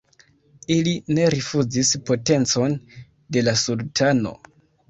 Ili ne rifuzis potencon de la sultano.